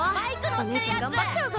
お姉ちゃん頑張っちゃうぞ。